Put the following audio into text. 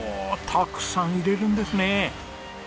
たくさん入れるんですね。